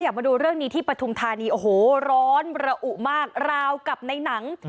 มาดูเรื่องนี้ที่ปฐุมธานีโอ้โหร้อนระอุมากราวกับในหนัง